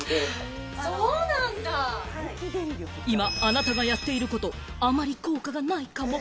今、あなたがやっていること、あまり効果がないかも。